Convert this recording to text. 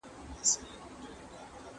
ته ښایسته یې نازېدلی په خپل رنګ یې